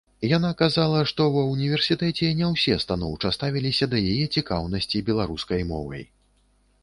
Яна казала, што ва ўніверсітэце не ўсе станоўча ставіліся да яе цікаўнасці беларускай мовай.